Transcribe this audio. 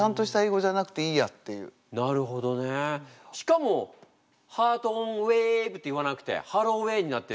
しかも「ハートオンウェーブ」って言わなくて「ハローウェー」になって。